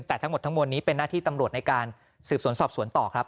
แต่ทั้งหมดทั้งมวลนี้เป็นหน้าที่ตำรวจในการสืบสวนสอบสวนต่อครับ